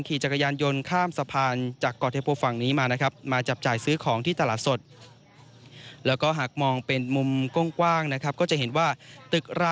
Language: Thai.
ขี่จักรยานยนต์ข้ามสะพานจากกรเทพภังนี้มา